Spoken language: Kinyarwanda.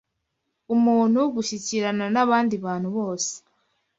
umuntu gushyikirana n’abandi bantu bose.